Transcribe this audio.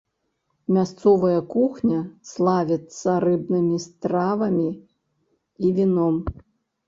Мясцовая кухня славіцца рыбнымі стравамі і віном.